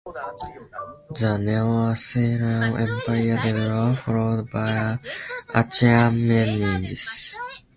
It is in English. The Neo-Assyrian Empire develops, followed by the Achaemenids.